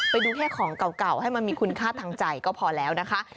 ไปดูแค่ของเก่าให้มันมีคุณค่าทางใจก็พอแล้วนะคะ